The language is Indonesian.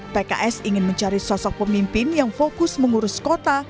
pks ingin mencari sosok pemimpin yang fokus mengurus kota